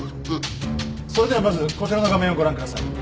それではまずこちらの画面をご覧ください。